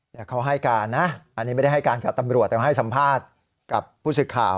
แต่เขาให้การนะอันนี้ไม่ได้ให้การกับตำรวจแต่ว่าให้สัมภาษณ์กับผู้สื่อข่าว